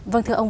vâng thưa ông